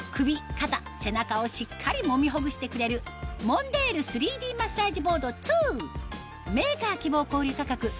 肩背中をしっかりもみほぐしてくれるモンデール３Ｄマッサージ